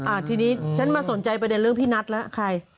ทีนี้ฉันมาสนใจประเด็นเรื่องพี่นัทแล้วใคร